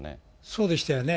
そうでしたよね。